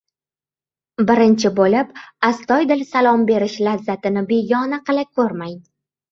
• Birinchi bo‘lib, astoydil salom berish lazzatini begona qila ko‘rmang.